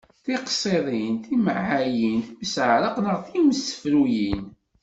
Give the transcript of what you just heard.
Tiqṣiḍin, timɛayin, timseɛraq neɣ timsefruyin.